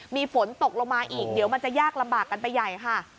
มีฝนตกลงมาอีกเดี๋ยวมันจะยากลำบากกันไปใหญ่ค่ะ